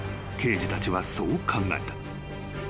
［刑事たちはそう考えた］